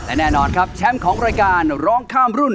และแน่นอนครับแชมป์ของรายการร้องข้ามรุ่น